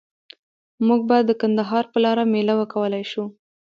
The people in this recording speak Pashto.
موږ به د کندهار په لاره میله وکولای شو؟